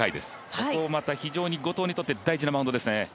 ここ、また後藤にとって大事なマウンドですね。